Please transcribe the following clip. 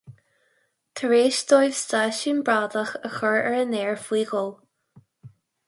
Tar éis dóibh stáisiún bradach a chur ar an aer faoi dhó.